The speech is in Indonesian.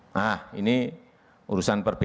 nah ini urusan terakhir